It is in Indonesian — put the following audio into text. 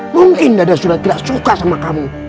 mungkin dede sudah tidak suka sama kamu